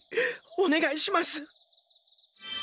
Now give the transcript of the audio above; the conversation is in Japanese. おねがいします。